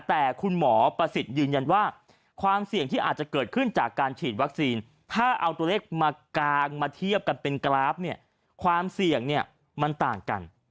แต่คุณหมอประสิทธิ์ยืนยันว่าความเสี่ยงที่อาจจะเกิดขึ้นจากการฉีดวัคซีนถ้าเอาตัวเลขมากางมาเทียบกันเป็นกราฟเนี่ยความเสี่ยงเนี่ยมันต่างกัน